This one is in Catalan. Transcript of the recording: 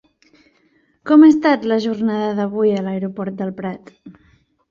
Com ha estat la jornada d'avui a l'Aeroport del Prat?